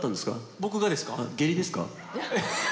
僕がですか？